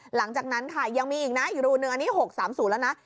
หลังจากนั้นค่ะยังมีอีกนะอีกรูนึงอันนี้๖๓๐แล้วนะ